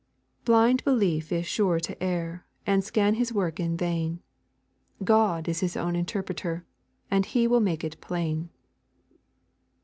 'Blind unbelief is sure to err, And scan His work in vain; God is His own interpreter, And He will make it plain.'